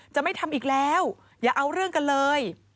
จะไม่ทำอีกแล้วอย่าเอาเรื่องกันเลย